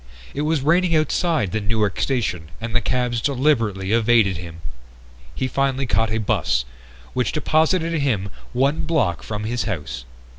It was raining outside the Newark station and the cabs deliberately evaded him. He finally caught a bus, which deposited him one block from his house.